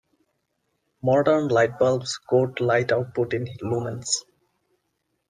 Modern lightbulbs quote light output in lumens.